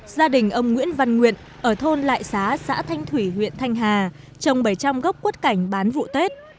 gia đình ông nguyễn văn nguyện ở thôn lại xá xã thanh thủy huyện thanh hà trồng bảy trăm linh gốc quất cảnh bán vụ tết